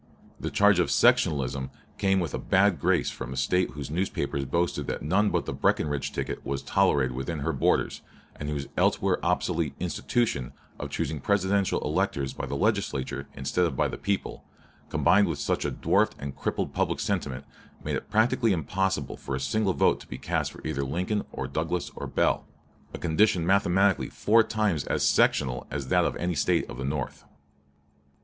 The charge of "sectionalism" came with a bad grace from a State whose newspapers boasted that none but the Breckinridge ticket was tolerated within her borders, and whose elsewhere obsolete "institution" of choosing Presidential electors by the Legislature instead of by the people, combined with such a dwarfed and crippled public sentiment, made it practically impossible for a single vote to be cast for either Lincoln or Douglas or Bell a condition mathematically four times as "sectional" as that of any State of the North.